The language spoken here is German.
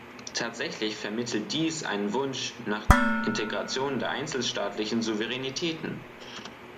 Tatsächlich vermittelt dies einen Wunsch nach Integration der einzelstaatlichen Souveränitäten.